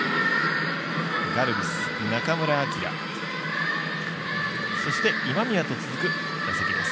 ガルビス、中村晃そして今宮と続く打席です。